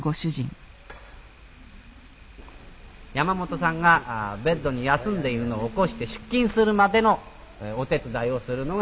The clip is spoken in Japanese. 山本さんがベッドに休んでいるのを起こして出勤するまでのお手伝いをするのがこの。